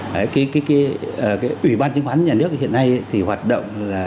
đấy cái ủy ban chứng khoán nhà nước hiện nay thì hoạt động là